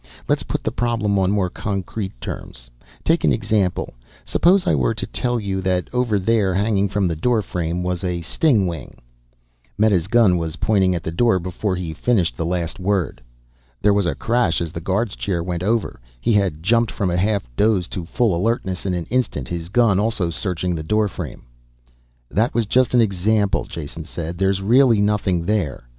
Let's put the problem on more concrete terms. Take an example. Suppose I were to tell you that over there, hanging from the doorframe, was a stingwing " Meta's gun was pointing at the door before he finished the last word. There was a crash as the guard's chair went over. He had jumped from a half doze to full alertness in an instant, his gun also searching the doorframe. "That was just an example," Jason said. "There's really nothing there."